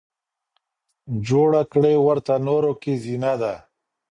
جوړه کړې ورته نورو که زينه ده